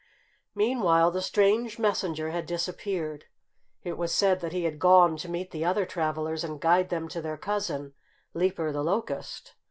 Meanwhile the strange messenger had disappeared. It was said that he had gone to meet the other travellers and guide them to their cousin, Leaper the Locust.